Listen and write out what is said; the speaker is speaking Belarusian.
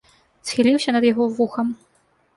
Схіліўся над яго вухам.